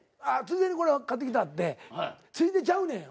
ついでにこれ買ってきたってついでちゃうねん。